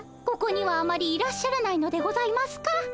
ここにはあまりいらっしゃらないのでございますか？